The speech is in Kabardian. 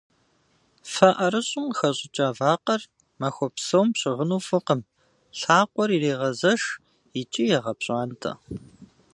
Фэ ӏэрыщӏым къыхэщӏыкӏа вакъэр махуэ псом пщыгъыну фӏыкъым, лъакъуэр ирегъэзэш икӏи егъэпщӏантӏэ.